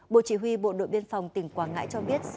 bộ chỉ huy bộ đội biên phòng tỉnh quảng ngãi cho biết